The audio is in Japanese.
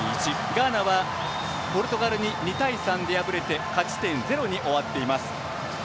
ガーナはポルトガルに２対３で敗れて勝ち点ゼロに終わっています。